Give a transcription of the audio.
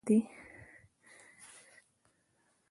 بایسکل خلک فعال ساتي.